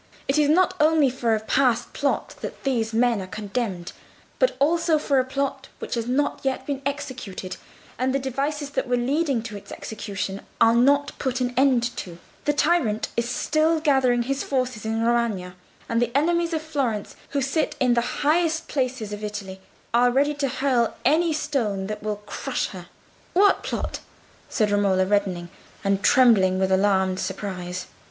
It is not only for a past plot that these men are condemned, but also for a plot which has not yet been executed; and the devices that were leading to its execution are not put an end to: the tyrant is still gathering his forces in Romagna, and the enemies of Florence, who sit in the highest places of Italy, are ready to hurl any stone that will crush her." "What plot?" said Romola, reddening, and trembling with alarmed surprise.